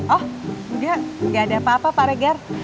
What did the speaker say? oh udah gak ada apa apa pak regan